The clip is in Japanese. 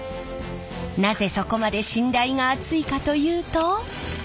なぜそこまで信頼が厚いかというと。